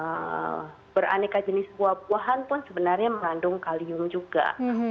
dan juga beraneka jenis buah buahan pun sebenarnya mengandung kalium juga